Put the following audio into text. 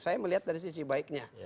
saya melihat dari sisi baiknya